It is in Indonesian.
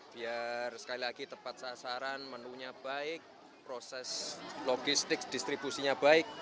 biar sekali lagi tepat sasaran menunya baik proses logistik distribusinya baik